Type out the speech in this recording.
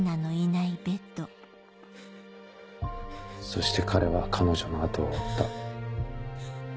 そして彼は彼女の後を追った。